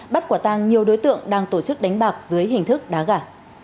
bắt quả tăng nhiều đối tượng đang tổ chức đánh bạc dưới hình thức đá gà